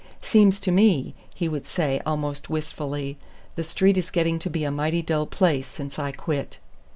"Seems to me," he would say almost wistfully, "the Street is getting to be a mighty dull place since I quit."